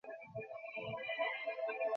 বের হওয়ার রাস্তা?